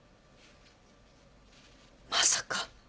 まさか。